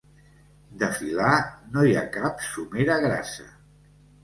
De filar, no hi ha cap somera grassa.